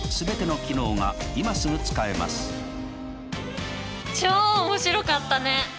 これで超面白かったね。